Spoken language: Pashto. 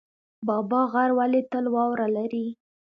بابا غر ولې تل واوره لري؟